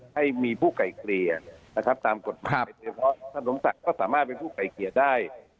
ให้มีผู้ไก่เกลี่ยนะครับตามกฎหมายโดยเฉพาะท่านสมศักดิ์ก็สามารถเป็นผู้ไก่เกลี่ยได้